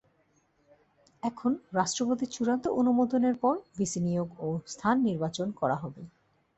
এখন রাষ্ট্রপতির চূড়ান্ত অনুমোদনের পর ভিসি নিয়োগ ও স্থান নির্বাচন করা হবে।